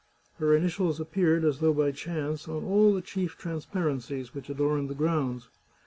Her initials ap peared, as though by chance, on all the chief transparencies which adorned the grounds.